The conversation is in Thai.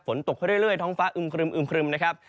ฝนตกเรื่อยทั้งฟ้าอึมครึมนะครับ